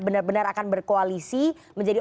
benar benar akan berkoalisi menjadi